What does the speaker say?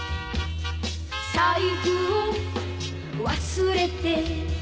「財布を忘れて」